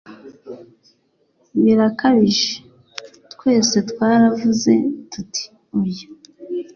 birakabije? twese twaravuze tuti oya